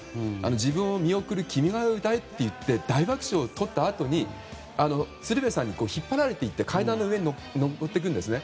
自分を見送る「君が代」を歌えって言って大爆笑をとったあとに鶴瓶さんに引っ張られて行って階段の上に登っていくんですね。